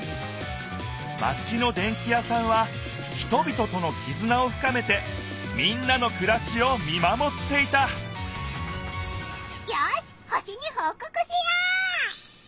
マチのでんき屋さんは人びととのきずなをふかめてみんなのくらしを見まもっていたよし星にほうこくしよう！